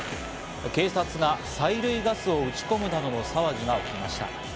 警察が催涙ガスを打ち込むなどの騒ぎが起きました。